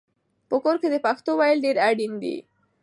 په کور کې د پښتو ویل ډېر اړین دي.